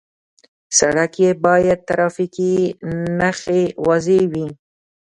سړک کې باید ټرافیکي نښې واضح وي.